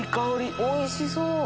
おいしそう！